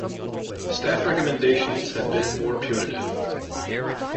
Staff recommendations had been more punitive.